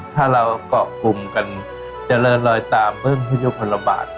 ถ้าเราก็กล่องกันเจริญลอยตามเบื้องทะยุพรบาท